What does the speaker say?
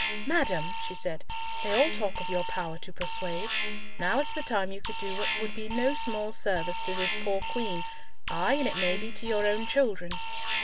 "Madam," she said, "they all talk of your power to persuade. Now is the time you could do what would be no small service to this poor Queen, ay, and it may be to your own children."